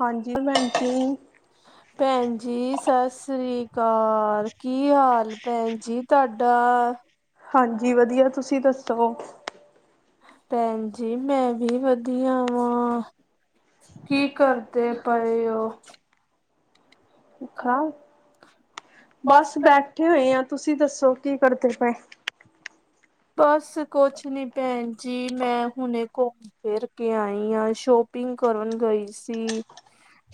ਹਾਂਜੀ [unintelligible] [inaudible] ਭੈਣ ਜੀ ਸਤਿ ਸ਼੍ਰੀ ਅਕਾਲ ਕੀ ਹਾਲ ਭੈਣ ਜੀ ਤੁਹਾਡਾ? ਹਾਂਜੀ ਵਧੀਆ ਤੁਸੀਂ ਦੱਸੋ? ਭੈਣ ਜੀ ਮੈਂ ਵੀ ਵਧੀਆ ਵਾਂ, ਕੀ ਕਰ ਕਰਦੇ ਪਏ ਓ ਖਾ, ਬਸ ਬੈਠੇ ਹੋਏ ਆ ਤੁਸੀਂ ਦੱਸੋ ਕੀ ਕਰਦੇ ਪਏ? ਬਸ ਕੁਛ ਨੀ ਭੈਣ ਜੀ ਮੈਂ ਹੁਣੇ ਕੋ ਫਿਰ ਕੇ ਆਈ ਆ ਸ਼ੋਪਿੰਗ ਕਰਨ ਗਈ ਸੀ,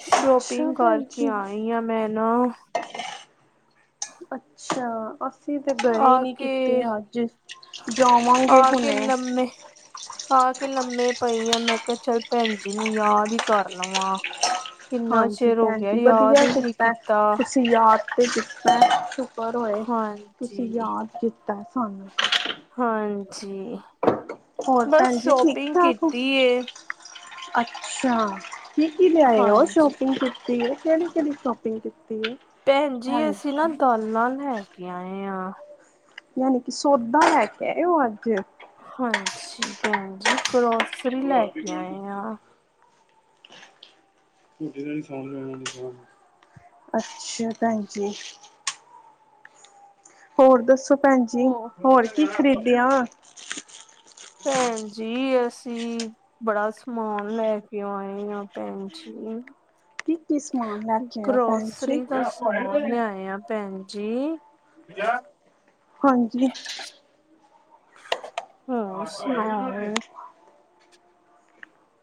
ਸ਼ਾਪਿੰ ਅੱਛਾ ਗ ਭੈਣ ਕਰਕੇ ਜੀ ਆਈ ਆ ਮੈਂ ਨਾ ਅੱਛਾ, ਅਸੀਂ ਤੇ ਗਏ ਆ ਨੀ ਕੀਤੇ ਕੇ ਅੱਜ ਜਾਵਾਂਗੇ ਆ ਕੇ ਹੁਣੇ। ਲੰਮੇ ਆ ਕੇ ਲੰਮੇ ਪਈ ਆ ਮੈਂ ਕਿਹ ਚੱਲ ਭੈਣ ਜੀ ਨੂੰ ਯਾਦ ਈ ਕਰ ਲਵਾਂ। ਕਿੰਨਾ ਹਾਂਜੀ, ਚਿਰ ਹੋ ਭੈਣ ਗਿਆ ਜੀ ਯਾਦ ਵਧੀਆ ਹੀ ਨਹੀਂ ਕਿੱਤਾ ਕੀਤਾ ਤੁਸੀਂ ਯਾਦ ਤੇ ਸ਼ੁਕਰ ਹੋਏ ਤੁਸੀਂ ਹਾਂਜੀ। ਯਾਦ ਕੀਤਾ ਸਾਨੂੰ ਹਾਂਜੀ, ਹੋਰ ਬਸ ਭੈਣ ਜੀ ਠੀਕ ਸ਼ੋਪਿੰਗ ਠਾਕ ਹੋ ਕੀਤੀ ਏ। ਅੱਛਾ ਕੀ-ਕੀ ਲਿਆਏ ਓ ਹਾਂਜੀ ਸ਼ੋਪਿੰਗ ਤੇ? ਕੀਤੀ ਏ ਕਿਹੜੀ-ਕਿਹੜੀ ਸ਼ੋਪਿੰਗ ਕੀਤੀ ਏ? ਭੈਣ ਜੀ ਅਸੀਂ ਨਾ ਦਾਲਾਂ ਲੈ ਕੇ ਆਏ ਆ। ਯਾਨੀ ਕਿ ਸੌਦਾ ਲੈ ਕੇ ਆਏ ਓ ਅੱਜ। ਹਾਂਜੀ, ਭੈਣ ਜੀ ਗਰੋਸਰੀ ਲੈ ਕੇ ਆਏ ਆ। ਅੱਛਾ ਭੈਣ ਜੀ। ਹੋਰ ਦੱਸੋ ਭੈਣ ਜੀ ਹੋ ਹੋਰ ਕੀ ਖਰੀਦਿਆ? ਭੈਣ ਜੀ ਅਸੀਂ ਬੜਾ ਸਮਾਨ ਲੈ ਕੇ ਆਏ ਆ ਭੈਣ ਜੀ। ਕੀ ਕੀ ਸਮਾਨ ਲੈ ਕੇ ਆਇਓ ਭੈਣ ਜੀ ਗਰੋਸਰੀ ਦਾ ਲਿਆਏ ਆ ਭੈਣ ਜੀ। ਹਾਂਜੀ। ਹੋਰ ਸੁਣਾਓ।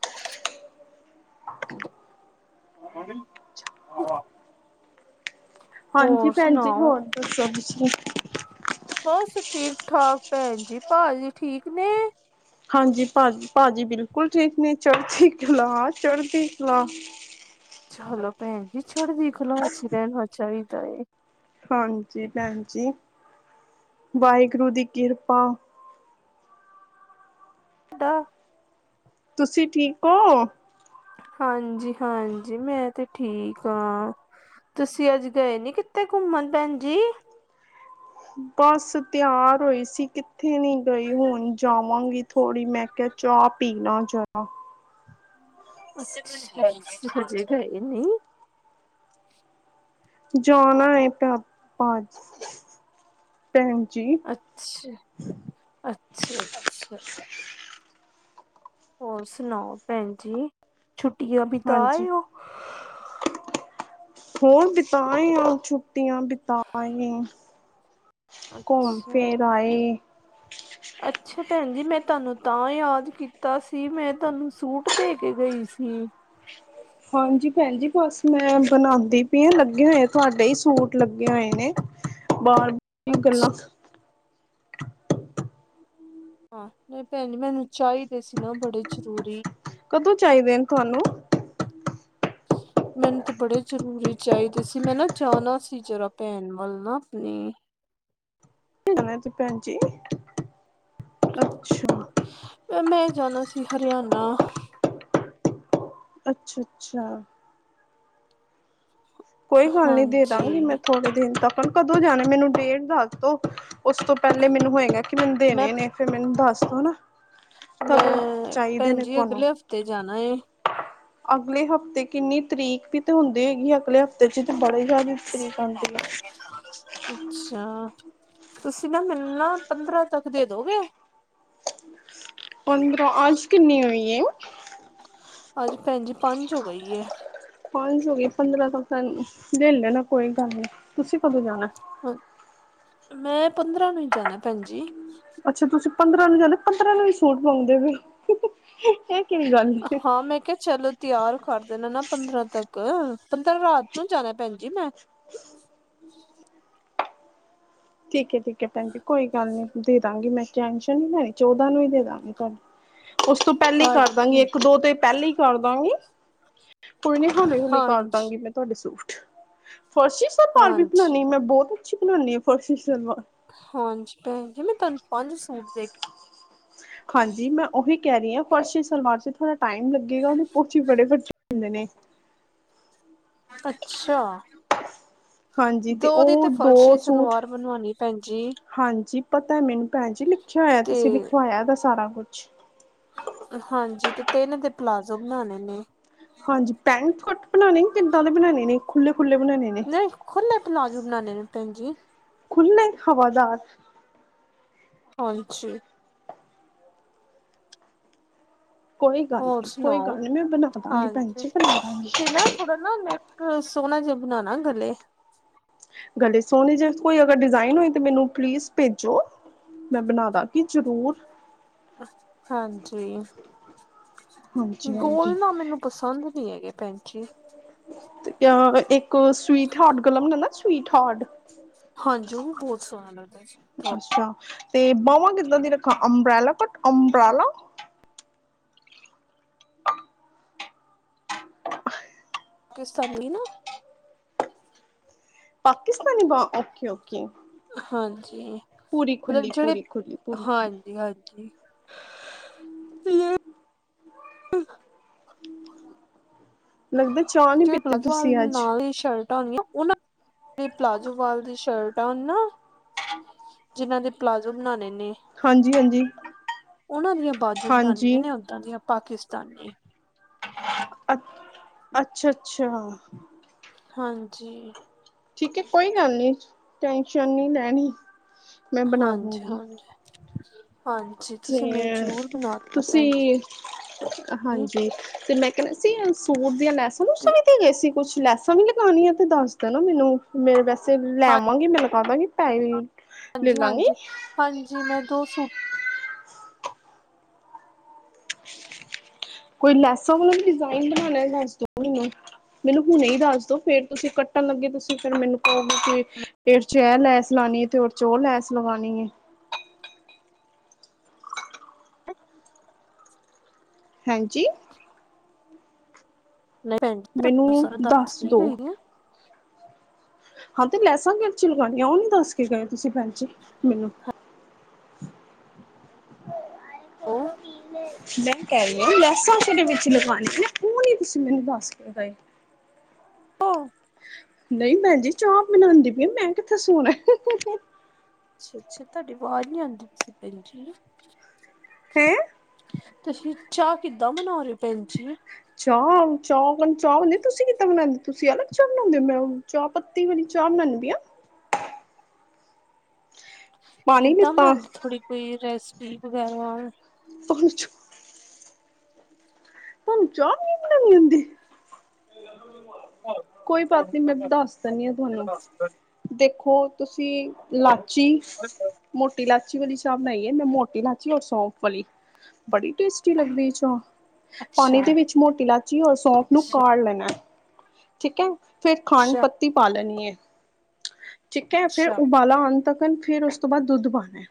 [unintelligible] ਹਾਂਜੀ ਹੋਰ ਭੈਣ ਜੀ, ਸੁਣਾਓ? ਹੋਰ ਦੱਸੋ ਤੁਸੀਂ? ਬਸ ਠੀਕ- ਠਾਕ ਭੈਣ ਜੀ, ਭਾਜੀ ਠੀਕ ਨੇ? ਹਾਂਜੀ, ਭਾਜੀ, ਭਾਜੀ, ਬਿਲਕੁਲ ਠੀਕ ਨੇ, ਚੜ੍ਹਦੀ ਕਲਾ- ਚੜ੍ਹਦੀ ਕਲਾ। ਚਲੋ ਭੈਣ ਜੀ ਚੜਦੀ ਕਲਾ 'ਚ ਰਹਿਣਾ ਚਾਈਦਾ ਏ। ਹਾਂਜੀ, ਭੈਣ ਜੀ, ਵਾਹਿਗੁਰੂ ਦੀ ਕਿਰਪਾ। ਡਾ ਤੁਸੀਂ, ਠੀਕ ਓ? ਹਾਂਜੀ-ਹਾਂਜੀ, ਮੈਂ ਤੇ ਠੀਕ ਆ। ਤੁਸੀਂ ਅੱਜ ਗਏ ਨੀ, ਕਿਤੇ ਘੁੰਮਣ ਭੈਣ ਜੀ? ਬਸ ਤਿਆਰ ਹੋਈ ਸੀ, ਕਿੱਥੇ ਨੀ ਗਈ ਹੁਣ ਜਾਵਾਂਗੀ ਥੋੜ੍ਹੀ, ਮੈਂ ਕਿਹਾ ਚਾਹ, ਪੀਣਾ ਚਾਹ ਤੁਸੀਂ, ਹਜੇ ਗਏ ਨੀ? ਜਾਣਾ ਹੈ, [unintelligible] ਭੈਣ ਜੀ। ਅੱਛਾ, ਅੱਛਾ-ਅੱਛਾ। ਹੋਰ ਸੁਣਾਉ ਭੈਣ ਜੀ, ਛੁੱਟੀਆਂ ਹਾਂਜੀ ਬਿਤਾਏ ਔ? ਹੋਰ ਬਿਤਾਏ ਆਂ, ਛੁੱਟੀਆਂ ਬਿਤਾਏ ਆਂ। ਘੁੰਮ, ਅੱਛਾ ਫਿਰ ਆਏ। [unintelligible] ਅੱਛਾ ਭੈਣ ਜੀ, ਮੈਂ ਤੁਹਾਨੂੰ ਤਾਂ ਯਾਦ ਕੀਤਾ ਸੀ, ਮੈਂ ਤੁਹਾਨੂੰ ਸੂਟ ਦੇ ਕੇ ਗਈ ਸੀ। ਹਾਂਜੀ ਭੈਣ ਜੀ, ਬਸ ਮੈਂ ਬਣਾਉਂਦੀ ਪਈ ਹਾਂ, ਲੱਗੇ ਹੋਏ, ਤੁਹਾਡੇ ਹੀ ਸੂਟ ਲੱਗੇ ਹੋਏ ਨੇ। ਅੱਛਾ [unintelligible] ਹਾਂ, ਨਹੀਂ ਭੈਣ ਜੀ ਮੈਨੂੰ ਚਾਹੀਦੇ ਸੀ ਨਾ, ਬੜੇ ਜ਼ਰੂਰੀ। ਕਦੋਂ ਚਾਹੀਦੇ ਨੇ, ਤੁਹਾਨੂੰ? [unintelligible] ਮੈਨੂੰ ਤਾਂ ਬੜੇ ਜ਼ਰੂਰੀ ਚਾਹੀਦੇ ਸੀ, ਮੈਂ ਨਾ ਜਾਣਾ ਸੀ ਜਰਾ ਭੈਣ ਵੱਲ ਨਾ, ਆਪਣੀ ਹੁਣੇ, ਤੇ ਭੈਣ ਜੀ ਅੱਛਾ ਮੈਂ ਜਾਣਾ ਸੀ, ਹਰਿਆਣਾ। ਅੱਛਾ-ਅੱਛਾ। ਕੋਈ ਗੱਲ ਨਹੀ, ਦੇ ਹਾਂਜੀ ਦਾਂਗੀ ਮੈਂ ਥੋੜੇ ਦਿਨ ਤੱਕ, ਕਦੋਂ ਜਾਣਾ ਮੈਨੂੰ ਡੇਟ ਦੱਸ ਦੋ ਉਸ ਤੋਂ ਪਹਿਲੇ ਮੈਨੂੰ ਹੋਏਗਾ, ਕਿ ਮੈਨੂੰ ਮੈਂ ਦੇਣੇ ਨੇ ਫੇਰ ਮੈਨੂੰ ਦੱਸ ਦੋ ਨਾ ਕਦੋਂ ਮੈਂ ਚਾਹੀਦੇ ਭੈਣ ਨੇ ਜੀ, ਤੁਹਾਨੂੰ? ਅਗਲੇ ਹਫ਼ਤੇ ਜਾਣਾ ਏ। ਅਗਲੇ ਹਫ਼ਤੇ ਕਿੰਨੀ ਤਰੀਕ ਵੀ ਤਾਂ ਹੁੰਦੀ ਹੈਗੀ, ਅਗਲੇ ਹਫ਼ਤੇ ਤੇਸ਼ ਚ ਤੇ ਬੜੇ ਜ਼ਿਆਦਾ ਤਰੀਕ ਆਉਂਦੀ ਆ। [unintelligible] ਅੱਛਾ, ਤੁਸੀਂ ਨਾ ਮੈਨੂੰ ਨਾ ਪੰਦਰਾਂ ਤੱਕ ਦੇ ਦੋਗੇ? ਪੰਦਰਾਂ, ਅੱਜ ਕਿੰਨੀ ਹੋਈ ਏ? ਅੱਜ, ਭੈੰਜੀ ਪੰਜ ਹੋ ਗਈ ਏ ਪੰਜ ਹੋ ਗਈ, ਪੰਦਰਾਂ ਤੱਕ ਲੈ ਲੈਣਾ, ਕੋਈ ਗੱਲ ਨੀ, ਤੁਸੀਂ ਕਦੋਂ ਜਾਣਾ? ਮੈਂ ਪੰਦਰਾਂ ਨੂੰ ਈ ਜਾਣਾ, ਭੈਣ ਜੀ। ਅੱਛਾ, ਤੁਸੀਂ ਪੰਦਰਾਂ ਨੂੰ ਜਾਣਾ, ਪੰਦਰਾਂ ਨੂੰ ਈ ਸੂਟ ਮੰਗਦੇ ਪਏ ਹੋ, ਇਹ ਕੀ ਗੱਲ ਹੈ? ਹਾਂ, ਮੈਂ ਕਿਹਾ ਚਲੋ ਤਿਆਰ ਕਰ ਦੇਣਾ ਨਾ ਪੰਦਰਾਂ ਤੱਕ, ਪੰਦਰਾਂ ਰਾਤ ਨੂੰ ਜਾਣਾ ਭੈਣ ਜੀ ਮੈਂ ਠੀਕ ਹੈ, ਠੀਕ ਹੈ ਭੈਣਜੀ ਕੋਈ ਗੱਲ ਨੀ ਦੇ ਦਾਂਗੀ ਮੈਂ, ਟੈਸ਼ਨ ਨੀ ਲੈਣੀ ਚੌਦਾਂ ਨੂੰ ਹੀ ਦੇ ਦਾਂਗੀ ਤੁਹਾਨੂੰ ਉਸ ਤੋਂ ਪਹਿਲਾਂ ਹੀ ਕਰਦਾਂਗੀ ਹਾਂਜੀ ਇੱਕ ਦੋ ਤੋਂ ਪਹਿਲੇ ਹੀ ਕਰਦਾਂਗੀ। ਕੋਈ ਨ੍ਹੀ, ਹੌਲੀ- ਹੌਲੀ ਕਰ ਦਾਂਗੀ ਹਾਂਜੀ ਮੈਂ ਤੁਹਾਡੇ ਸੂਟ, ਫਰਸ਼ੀ ਸਲਵਾਰ ਵੀ ਹਾਂਜੀ ਬਣਾਉਨੀ, ਮੈਂ ਬਹੁਤ ਅੱਛੀ ਬਣਾਉਂਦੀ ਆ, ਫਰਸ਼ੀ ਸਲਵਾਰ ਹਾਂਜੀ, ਭੈਣ ਜੀ ਮੈਂ ਤੁਹਾਨੂੰ ਪੰਜ ਸੂਟ ਦੇ ਕੇ ਹਾਂਜੀ, ਮੈਂ ਉਹੀ ਕਹਿ ਰਹੀ ਹਾਂ, ਫਰਸ਼ੀ ਸਲਵਾਰ ਚ ਥੋੜਾ ਟਾਈਮ ਲੱਗੇਗਾ, ਮੈਂ ਪੁੱਛ ਸੱਚੀ ਬੜੇ ਖਰਚੇ ਹੁੰਦੇ ਨੇ ਅੱਛਾ। ਹਾਂਜੀ ਤੇ ਦੋ ਦੀ ਉਹ ਦੋ ਫਰਸ਼ੀ ਸੂਟ ਸਲਵਾਰ ਬਣਵਾਉਣੀ ਭੈਣ ਜੀ ਹਾਂਜੀ, ਪਤਾ ਮੈਨੂੰ ਭੈਣ ਜੀ ਲਿਖਿਆ ਹੋਇਆ ਤੇ ਤੁਸੀਂ ਲਿਖਵਾਇਆ ਸਾਰਾ ਕੁਛ ਹਾਂਜੀ ਤੇ ਤਿੰਨ ਦੇ ਪਲਾਜ਼ੋ ਬਣਾਉਣੇ ਨੇ ਹਾਂਜੀ ਪੈਂਟ ਕਟ ਬਣਾਉਣੇ ਕਿੱਦਾਂ ਦੇ ਬਣਾਉਣੇ ਨੇ, ਖੁੱਲ੍ਹੇ -ਖੁੱਲ੍ਹੇ ਬਣਾਉਣੇ ਨੇ ਨਹੀਂ ਖੁੱਲੇ ਪਲਾਜ਼ੌ ਬਣਾਉਣੇ ਨੇ ਭੈਣ ਜੀ। ਖੁੱਲੇ ਹਵਾਦਾਰ ਹਾਂਜੀ। ਕੋਈ ਗੱਲ ਹੋਰ ਨਹੀਂ, ਕੋਈ ਸੁਣਾਓ ਗੱਲ ਨੀ, ਮੈਂ ਬਣਾ ਦਵਾਂਗੀ ਭੈਣ ਹਾਂਜੀ ਜੀ ਬਣਾ ਦਵਾਂਗੀ। ਤੇ ਨਾ ਥੋੜਾ ਨਾ ਨੈਕ, ਸੋਹਣਾ ਜਿਹਾ ਬਣਾਉਣਾ ਗਲੇ ਗਲੇ ਸੋਹਣੇ ਜੇ ਕੋਈ ਅਗਰ ਡਿਜ਼ਾਇਨ ਹੋਏ ਤਾਂ ਮੈਨੂੰ ਪਲੀਜ਼ ਭੇਜੋ। ਮੈਂ ਬਣਾ ਦਵਾਂਗੀ ਜ਼ਰੂਰ। ਹਾਂਜੀ, ਹਾਂਜੀ ਹਾਂਜੀ ਗੋਲ ਨਾ ਮੈਨੂੰ ਪਸੰਦ ਨਹੀਂ ਹੈਗੇ, ਭੈਣਜੀ ਤੇ ਅ ਇੱਕ ਸਵੀਟ ਹਾਰਟ ਗਲਾ ਬਣਾਉਣਾ ਸਵੀਟ ਹਾਰਟ, ਹਾਂਜੀ ਉਹ ਬਹੁਤ ਸੋਹਣਾ ਲੱਗਦਾ,,,,, ਟ ਅੱਛਾ,,,, ਤੇ ਬਾਹਵਾਂ ਕਿੱਦਾਂ ਦੀ ਰੱਖਾਂ ਅੰਬਰਾਲਾ ਕਟ ਅੰਬਰਾਲਾ,, ਕੀ ਸਾਦੀ ਨਾ,, ਪਾਕਿਸਤਾਨੀ ਬਾਂਹ ਓਕੇ -ਓਕੇ,, ਹਾਂਜੀ,,,, ਪੂਰੀ ਮਤਲਬ ਖੁੱਲੀ ਜਿਹੜੇ,,,, ਪੂਰੀ ਖੁੱਲੀ ਪੂਰੀ ਖੁੱਲੀ ਹਾਂਜੀ- ਹਾਂਜੀ, [inaudible] [inaudible] [unintelligible] ਲੱਗਦਾ ਚਾਹ ਨੀ [unintelligible] ਉਹ,,,, ਪੀਤੀ ਪਲਾਜੋ ਤੁਸੀਂ ਅੱਜ ਵਾਲ ਦੀ ਸ਼ਰਟਾ ਆ ਨਾ, ਜਿਨ੍ਹਾਂ ਦੇ ਪਲਾਜ਼ੋ ਬਣਾਉਣੇ ਨੇ? ਹਾਂਜੀ ਹਾਂਜੀ ਉਹਨਾਂ ਦੀਆਂ ਬਾਜ਼ੂ ਹਾਂਜੀ ਬਣਾਉਣੀਆਂ ਨੇ ਓਦਾਂ ਦੀਆਂ ਪਾਕਿਸਤਾਨੀ, ਅ,,,,,, ਅੱਛਾ- ਅੱਛਾ! ਹਾਂਜੀ! ਠੀਕ ਹੈ ਕੋਈ ਗੱਲ ਨੀ, ਟੈਨਸ਼ਨ ਨਹੀ ਲੈਣੀ, ਮੈਂ ਬਣਾ ਹਾਂਜੀ- ਦੂੰਗੀ ਹਾਂਜੀ,,,,, ਹਾਂਜੀ, ਤੁਸੀ ਤੇ ਮੇਰੀ ਜ਼ਰੂਰ ਬਣਾ ਦੇਣਾ ਭੈਣ ਜੀ, ਤੁਸੀਂ ਹਾਂਜੀ,,,, ਤੇ ਮੈਂ ਕਿਹਾ ਸੀ ਸੂਟ ਦੀਆਂ ਲੈਸਾਂ ਤੇ ਲੁੱਸਾ ਵੀ ਦੇ ਗਏ ਸੀ ਕੁਛ ਲੱਸਾ ਵੀ ਲਗਾਉਣੀਆਂ ਤੇ ਦੱਸ ਦੇਣਾ ਮੈਨੂੰ,, ਮੈੰ ਵੈਸੇ ਲੈ ਆਵਾਂਗੀ ਮੈਂ ਲਗਾ ਦਾ ਗਈ,, ਹਾਂਜੀ -ਹਾਂਜੀ,,, ਹਾਂਜੀ ਮੈਂ ਦੋ ਸੂਟ, ਕੋਈ ਲੈਸਾਂ ਵਾਲਾ ਵੀ ਡਿਜ਼ਾਇਨ ਬਣਾਉਣਾ ਦੱਸ ਦੋ ਮੈਨੂੰ, ਮੈਨੂੰ ਹੁਣੀ ਦੱਸ ਦੋ, ਫੇਰ ਤੁਸੀਂ ਕੱਟਣ ਲੱਗੇ ਤੁਸੀਂ ਫਿਰ ਮੈਨੂੰ, ਫਿਰ ਚ ਇਹ ਲੈਸ ਲਾਉਣੀ ਹੈ ਤੇ ਉਹ ਚ ਉਹ ਲੈਸ ਲਗਾਉਣੀ ਹੈ, ਹਾਂਜੀ! ਨਹੀਂ ਮੈਨੂੰ ਭੈਣਜੀ ਦੱਸ ਕੀ ਦੋ ਗਈ ਦੀਆਂ, ਹਾਂ ਤੇ ਲੈਸਾਂ ਅੱਛੀ ਲਗਾਉਣੀਆਂ ਉਹ ਨੀ ਦੱਸ ਕੇ ਗਏ ਤੁਸੀਂ ਭੈਣਜੀ,, ਮੈਨੂੰ, [unintelligible] ਉਹ [unintelligible] ਲੈਸਾਂ ਕਿਹੜੀਆਂ ਵਿੱਚ ਲਗਵਾਉਣੀਆਂ ਉਹ ਨੀ ਤੁਸੀਂ ਮੈਨੂੰ ਦੱਸ ਕੇ ਗਏ, ਹੋ, ਨਹੀ ਭੈਣ ਜੀ ਚਾਹ ਬਣਾਉਦੀ ਪਈ ਮੈਂ ਕਿੱਥੇ ਸੋਣਾ, ਅੱਛਾ, ਅੱਛਾ ਤੁਹਾਡੀ ਆਵਾਜ਼ ਨੀ ਆਉਂਦੀ ਪਈ ਸੀ ਭੈਣਜੀ,,,, ਹੈ! ਤੁਸੀ ਚਾਹ ਕਿੱਦਾਂ ਬਨਾ ਰਹੇ ਹੋ ਭੈਣ ਜੀ? ਚਾਹ- ਚਾਹ, ਚਾਹ ਤੁਸੀਂ ਕਿੱਦਾਂ ਬਣਾਉਂਦੇ ਤੁਸੀ ਅਲੱਗ ਚਾਹ ਬਣਾਉਂਦੇ ਹੋ ਮੈ, ਚਾਹ ਪੱਤੀ ਵਾਲੀ ਚਾਹ ਬਨਾਦੇ ਆ, ਪਾਣੀ ਕਿੱਦਾਂ ਲਿੱਤਾ ਬਣਾਦੇ ਥੋੜ੍ਹੀ ਕੋਈ ਰੈਸਪੀ ਵਗੈਰਾ? [inaudible] ਤੁਹਾਨੂੰ ਚਾਹ ਵੀ ਬਨਾਣੀ ਆਉਂਦੀ, ਕੋਈ ਬਾਤ ਨੀ ਮੈਂ ਦੱਸ ਦੇਨੀ ਆ ਤੁਹਾਨੂੰ, ਦੇਖੋ ਤੁਸੀ ਲਾਚੀ, ਮੋਟੀ ਇਲਾਇਚੀ ਵਾਲੀ ਚਾਹ ਬਣਾਈ ਹੈ ਮੈਂ ਮੋਟੀ ਇਲਾਇਚੀ ਔਰ ਸੌਂਫ ਵਾਲੀ, ਬੜੀ ਟੇਸਟੀ ਲੱਗਦੀ ਚਾਹ, ਅੱਛਾ ਪਾਣੀ ਦੇ ਵਿੱਚ ਮੋਟੀ ਇਲਾਇਚੀ ਔਰ ਸੌਫ ਨੂੰ ਅੱਛਾ ਕਾਢ ਲੈਣਾ, ਠੀਕ ਹੈ, ਫੇਰ ਖਾਡ ਅੱਛਾ ਪੱਤੀ ਪਾ ਲੈਣੀਏ, ਠੀਕ ਹੈ ਫੇਰ ਅੱਛਾ ਉਬਾਲਾ ਅੰਨ ਤਕ ਫੇਰ ਉਸ ਤੋਂ ਬਾਅਦ ਦੁੱਧ ਪਾਉਣਾ,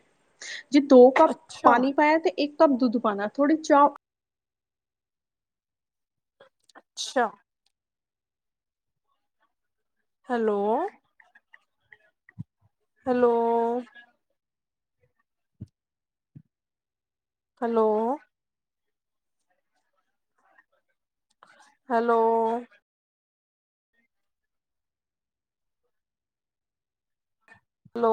ਜੇ ਦੋ ਕੱਪ ਅੱਛਾ ਪਾਣੀ ਪਾਇਆ ਤੇ ਇੱਕ ਕੱਪ ਦੁੱਧ ਪਉਣਾ ਥੋੜੀ ਚਾਹ, ਅੱਛਾ, ਹੈਲੋ,,,, ਹੈਲੋ,,, ਹੈਲੋ। ਹੈਲੋ। ਲੋ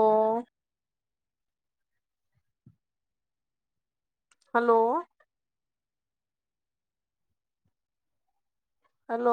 ਹੈਲੋ। ਹੈਲੋ